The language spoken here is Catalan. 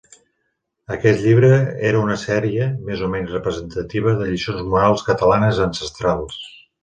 Aquest llibre era una sèrie, més o menys representativa, de lliçons morals catalanes ancestrals.